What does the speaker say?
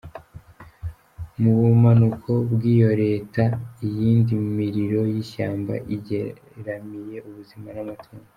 Mu bumanuko bw'iyo leta, iyindi miriro y'ishamba igeramiye ubuzima n'amatungo.